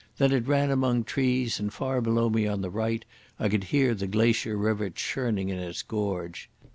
Then it ran among trees, and far below me on the right I could hear the glacier river churning in its gorge.